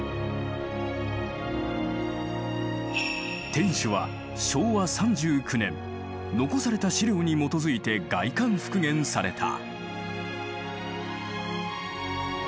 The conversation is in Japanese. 天守は昭和３９年残された資料に基づいて外観復元された。